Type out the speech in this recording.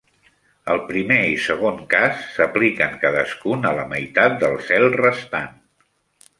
El primer i segon cas s'apliquen cadascun a la meitat del cel restant.